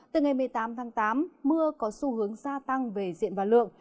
từ ngày một mươi tám tháng tám mưa có xu hướng gia tăng về diện và lượng